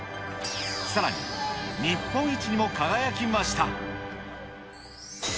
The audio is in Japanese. さらに日本一にも輝きました。